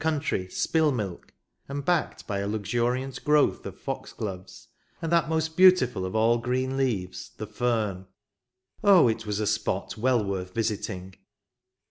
try " spill milk," and backed by a luxuriant growth of fox gloves, and that most beautiful of all green leaves, the fern. Oh, it was a spot well worth visiting!